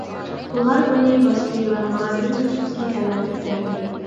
ئۇلار ئۇنى باستى ۋە ماڭا بىر نۇسخىسىنى ئەۋەتىپ بەردى.